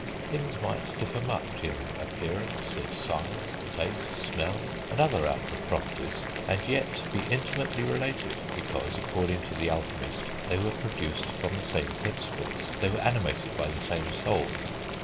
Things might differ much in appearance, in size, taste, smell, and other outward properties, and yet be intimately related, because, according to the alchemist, they were produced from the same principles, they were animated by the same soul.